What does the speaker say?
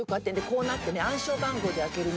こうなって暗証番号で開ける。